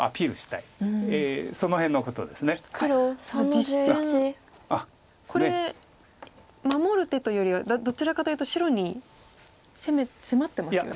実戦これ守る手というよりはどちらかというと白に迫ってますよね。